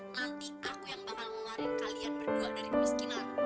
nanti aku yang bakal ngeluarin kalian berdua dari kemiskinan